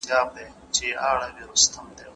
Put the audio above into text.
دا اته توپونه دي.